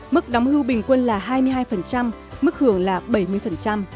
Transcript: mức đóng hưu bình quân là hai mươi hai mức hưởng là bảy mươi